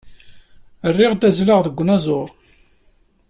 Riɣ ad azzleɣ deg unẓar.